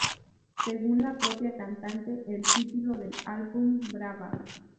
Según la propia cantante, el título del álbum —"Brava!